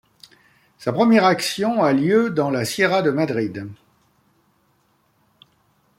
Sa première action a lieu dans la sierra de Madrid.